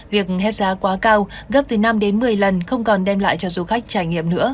việc hết giá quá cao gấp từ năm đến một mươi lần không còn đem lại cho du khách trải nghiệm nữa